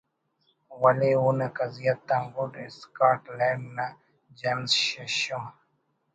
ولے اونا کزیت آن گڈ اسکاٹ لینڈ نا جیمز ششم